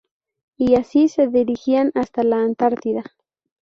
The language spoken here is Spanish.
Y así se dirigirán hasta la Antártida.